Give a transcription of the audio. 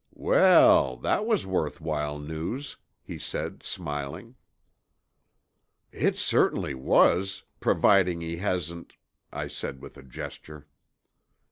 "Well, that was worth while news," he said smiling. "It certainly was, providing he hasn't " I said with a gesture.